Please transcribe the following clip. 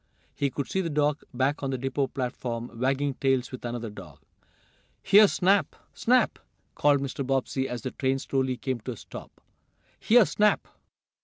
He could see the dog, back on the depot platform, "wagging tails" with another dog. "Here, Snap! Snap!" called Mr. Bobbsey, as the train slowly came to a stop. "Here Snap!"